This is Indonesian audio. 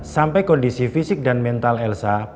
sampai kondisi fisik dan mental elsa